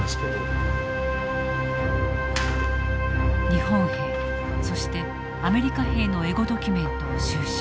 日本兵そしてアメリカ兵のエゴドキュメントを収集。